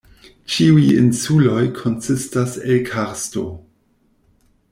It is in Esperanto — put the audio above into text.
Ĉiuj insuloj konsistas el karsto.